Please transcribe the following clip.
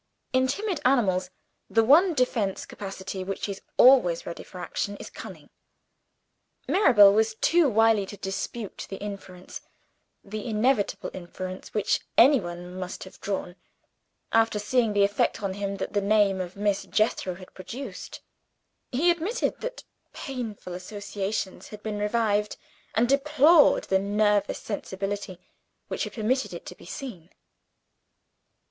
In timid animals, the one defensive capacity which is always ready for action is cunning. Mirabel was too wily to dispute the inference the inevitable inference which any one must have drawn, after seeing the effect on him that the name of Miss Jethro had produced. He admitted that "painful associations" had been revived, and deplored the "nervous sensibility" which had permitted it to be seen.